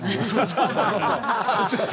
そうそうそう。